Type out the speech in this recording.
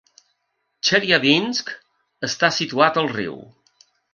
Chelyabinsk està situat al riu.